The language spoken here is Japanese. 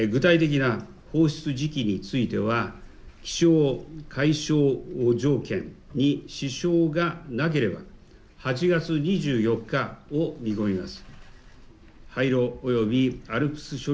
具体的な放出時期については気象海象条件に支障がなければ、８月２４日を見込みます。